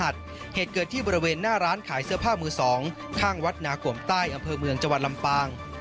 เสื้อผ้ามือ๒ข้างวัดนาควมใต้อำเภอเมืองจังหวัดลำปาง